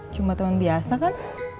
cuma temen biasa kan